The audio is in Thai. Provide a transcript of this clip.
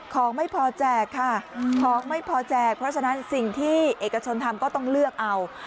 ของไม่พอแจกค่ะของไม่พอแจกเพราะฉะนั้นสิ่งที่เอกชนทำก็ต้องเลือกเอา